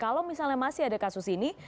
kalau misalnya masih ada kasus ini